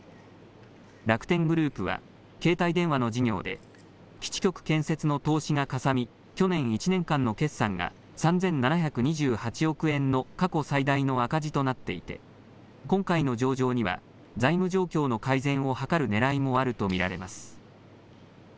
楽天グループは携帯電話の事業で基地局建設の投資がかさみ去年１年間の決算が３７２８億円の過去最大の赤字となっていて今回の上場には財務状況の改善を図るねらいもあると見られます。